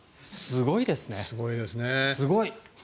すごいですね。